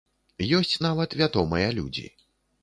Ёсць нават вядомыя людзі.